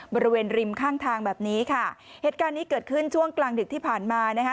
บริเวณริมข้างทางแบบนี้ค่ะเหตุการณ์นี้เกิดขึ้นช่วงกลางดึกที่ผ่านมานะคะ